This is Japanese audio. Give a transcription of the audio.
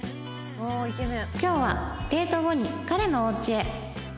今日はデート後に彼のおうちへ